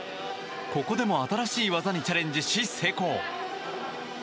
ここでも新しい技にチャレンジし、成功。